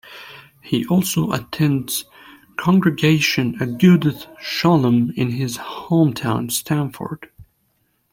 He also attends Congregation Agudath Sholom in his hometown Stamford.